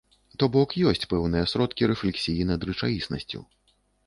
То бок ёсць пэўныя сродкі рэфлексіі над рэчаіснасцю.